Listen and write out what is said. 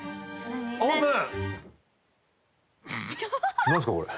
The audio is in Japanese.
オープン！